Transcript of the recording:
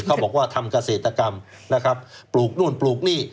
เขาบอกว่าทำเกษตรกรรมนะครับปลูกนู่นปลูกนี่